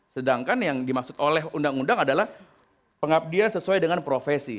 sedangkan yang dimaksud oleh undang undang adalah pengabdian sesuai dengan profesi